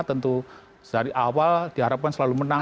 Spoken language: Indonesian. tentu dari awal diharapkan selalu menang